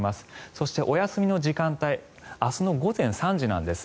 そしてお休みの時間帯明日の午前３時なんです。